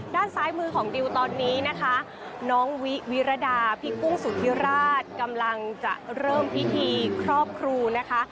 ด้านซ้ายมือของดิวตอนนี้นะคะน้องวิวิรดาพี่กุ้งสุธิราชกำลังจะเริ่มพิธีครอบครูนะคะ